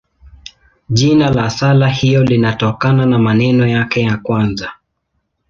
Jina la sala hiyo linatokana na maneno yake ya kwanza.